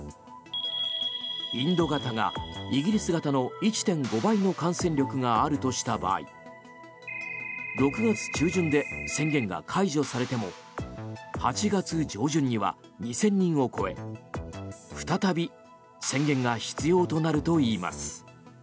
インド型がイギリス型の１．５倍の感染力があるとした場合６月中旬で宣言が解除されても８月上旬には２０００人を超え再び宣言が必要となるといいます。